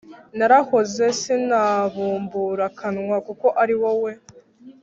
Narahoze sinabumbura akanwa Kuko ari wowe